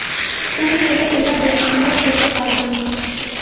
তুমি এটা এভাবে আনলক করতে পারবে না।